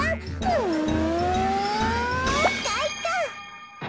うんかいか！